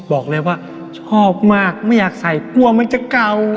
บอกเลยว่าชอบมากไม่อยากใส่กลัวมันจะเก่า